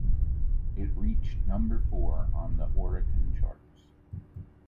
It reached number four on the Oricon Charts.